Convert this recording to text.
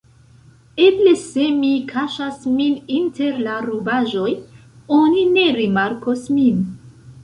"Eble se mi kaŝas min inter la rubaĵoj, oni ne rimarkos min."